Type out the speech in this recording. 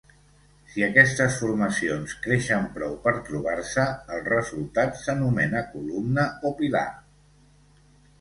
Si aquestes formacions creixen prou per trobar-se, el resultat s'anomena columna o pilar.